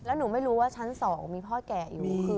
แล้วหนูไม่รู้ว่าชั้น๒มีพ่อแก่อยู่